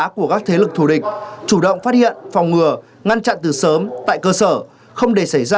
của các thế lực thù địch chủ động phát hiện phòng ngừa ngăn chặn từ sớm tại cơ sở không để xảy ra